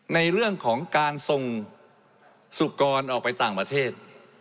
ในเรื่องของการส่งสุกรออกไปต่างประเทศ